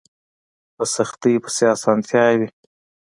په سختۍ پسې اسانتيا وي